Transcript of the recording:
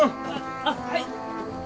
あっはい！